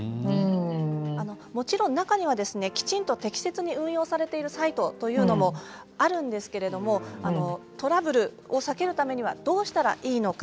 もちろん中にはきちんと適切に運用されているサイトというのもあるんですけれどトラブルを避けるためにはどうしたらいいのか。